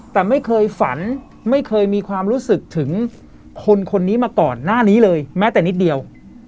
แต่ไม่เคยฝันไม่เคยมีความรู้สึกถึงคนคนนี้มาก่อนหน้านี้เลยแม้แต่นิดเดียว